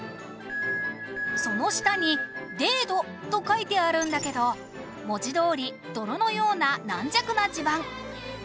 その下に「泥土」と書いてあるんだけど文字どおり泥のような軟弱な地盤